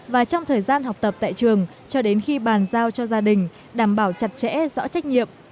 và trong thời gian học tập tại trường cho đến khi bàn giao cho gia đình đảm bảo chặt chẽ rõ trách nhiệm